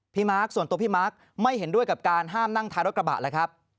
มาร์คส่วนตัวพี่มาร์คไม่เห็นด้วยกับการห้ามนั่งท้ายรถกระบะแล้วครับ